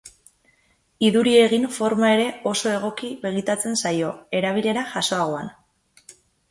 Iduri egin forma ere oso egoki begitatzen zaio, erabilera jasoagoan.